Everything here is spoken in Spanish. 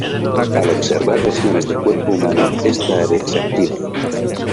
Al observar regiones del cuerpo humano, esta área se activa.